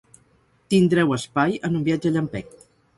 Tindreu espai en un viatge llampec.